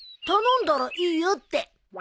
頼んだら「いいよ」って。